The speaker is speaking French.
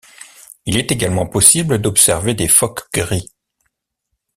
Il est également possible d'observer des phoques gris.